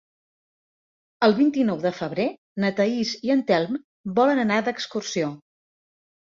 El vint-i-nou de febrer na Thaís i en Telm volen anar d'excursió.